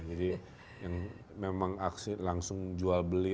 jadi yang memang langsung jual beli